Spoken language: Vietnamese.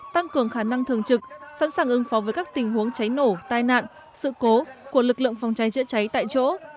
tăng cường khả năng thường trực sẵn sàng ứng phó với các tình huống cháy nổ tai nạn sự cố của lực lượng phòng cháy chữa cháy tại chỗ